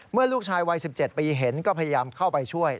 ลูกชายวัย๑๗ปีเห็นก็พยายามเข้าไปช่วย